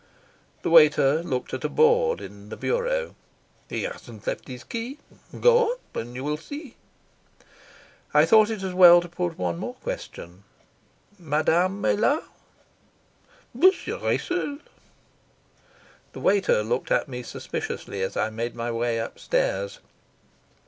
The waiter looked at a board in the "He hasn't left his key. Go up and you'll see." I thought it as well to put one more question. The waiter looked at me suspiciously as I made my way upstairs.